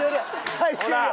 はい終了！